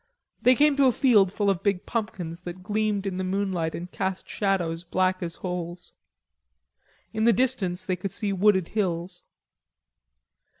They came to a field full of big pumpkins that gleamed in the moonlight and cast shadows black as holes. In the distance they could see wooded hills.